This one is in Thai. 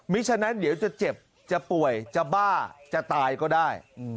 ฉะนั้นเดี๋ยวจะเจ็บจะป่วยจะบ้าจะตายก็ได้